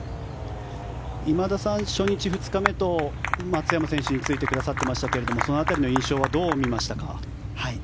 今田さん初日、２日目と松山選手についてくださってましたがその辺りの印象はどう見ましたか？